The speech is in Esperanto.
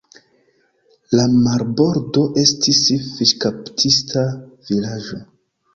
La marbordo estis fiŝkaptista vilaĝo.